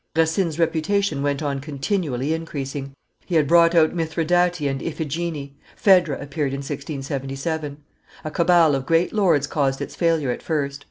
] Racine's reputation went on continually increasing; he had brought out Mithridate and Iphigenie; Phedre appeared in 1677. A cabal of great lords caused its failure at first.